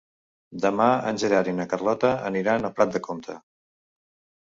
Demà en Gerard i na Carlota aniran a Prat de Comte.